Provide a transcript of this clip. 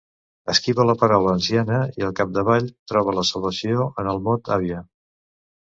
Esquiva la paraula anciana i, al capdavall, troba la salvació en el mot àvia.